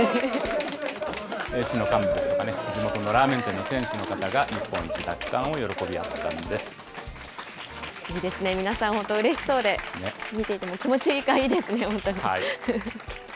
市の幹部ですとか、地元のラーメン店の店主の方が、日本一奪皆さん本当、うれしそうで、見ていても気持ちがいいですね、本当に。